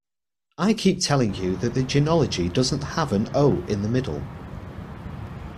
I keep telling you that genealogy doesn't have an ‘o’ in the middle.